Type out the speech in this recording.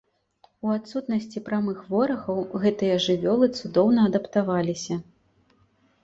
У адсутнасці прамых ворагаў гэтыя жывёлы цудоўна адаптаваліся.